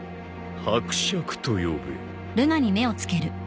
伯爵と呼べ。